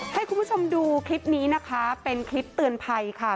ให้คุณผู้ชมดูคลิปนี้นะคะเป็นคลิปเตือนภัยค่ะ